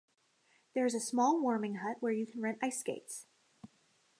There is a small warming hut where you can rent ice skates.